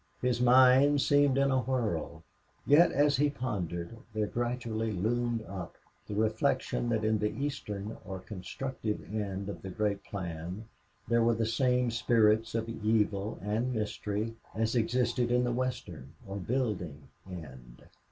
His mind seemed in a whirl. Yet as he pondered, there gradually loomed up the reflection that in the eastern, or constructive, end of the great plan there were the same spirits of evil and mystery as existed in the western, or building, end.